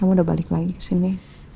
kamu udah balik lagi kesini